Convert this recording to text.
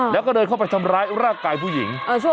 แล้วก็เดินเข้าไปทำร้ายร่างกายผู้หญิง